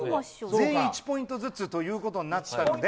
全員１ポイントずつということになったので。